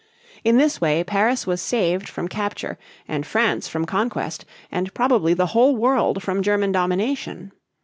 In this way Paris was saved from capture, and France from conquest; and probably the whole world from German domination.